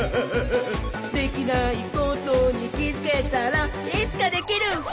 「できないことにきづけたらいつかできるひゃっほ」